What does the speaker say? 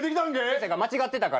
先生が間違ってたから。